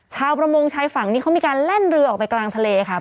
ชาวประมงชายฝั่งนี้เขามีการแล่นเรือออกไปกลางทะเลค่ะ